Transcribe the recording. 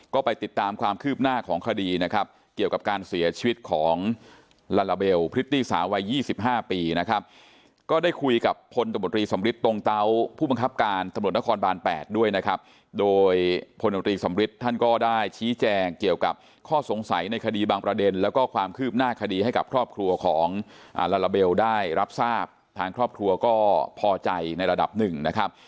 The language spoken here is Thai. ก็ไปติดตามความคืบหน้าของคดีเกี่ยวกับการเสียชีวิตของ